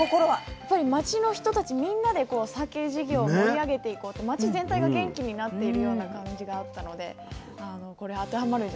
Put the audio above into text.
やっぱり町の人たちみんなでさけ事業を盛り上げていこうと町全体が元気になっているような感じがあったのでこれ当てはまるんじゃないかなと思いました。